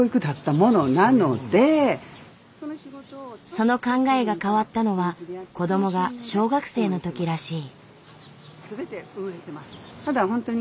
その考えが変わったのは子どもが小学生のときらしい。